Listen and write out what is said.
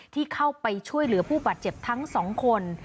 ที่เข้าไปช่วยเหลือผู้บาดเจ็บทั้งสองคน